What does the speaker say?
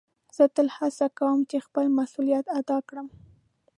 زه تل هڅه کؤم چي خپل مسؤلیت ادا کړم.